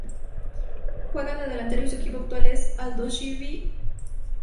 Juega de delantero y su equipo actual es Aldosivi, de la Superliga Argentina.